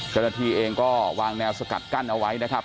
ฟันธีตอบก็วางแนวสกัดกั้นเอาไว้นะครับ